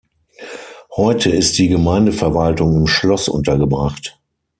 Heute ist die Gemeindeverwaltung im Schloss untergebracht.